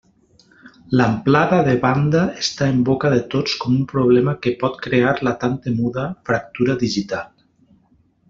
L'amplada de banda està en boca de tots com un problema que pot crear la tan temuda fractura digital.